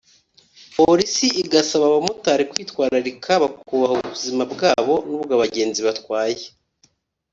Polisi igasaba abamotari kwitwararika bakubaha ubuzima bwabo n’ubw’abagenzi batwaye